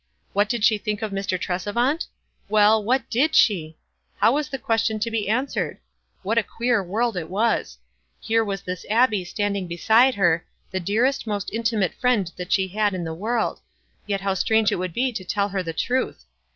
What did she think of Mr. Tresevant? Well, what did she? — how was the question to be answered ? What a queer world it was ! Here WISE AND OTHERWISE. 61 was this Abbie standing beside her, the dear est, most intimate friend that she had in the world ; yet how strange it would be to tell her the truth.